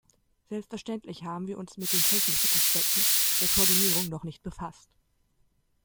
Selbstverständlich haben wir uns mit den technischen Aspekten der Koordinierung noch nicht befasst.